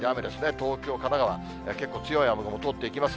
東京、神奈川、結構強い雨雲、通っていきます。